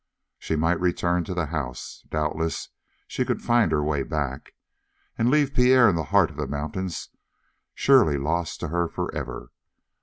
She might return to the house doubtless she could find her way back. And leave Pierre in the heart of the mountains, surely lost to her forever.